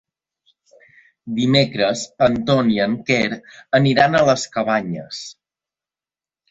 Dimecres en Ton i en Quer aniran a les Cabanyes.